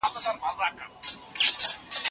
څېړنه ځینې وختونه له ستورو پېژندنې سره نښلي.